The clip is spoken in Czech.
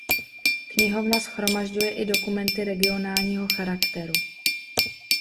Knihovna shromažďuje i dokumenty regionálního charakteru.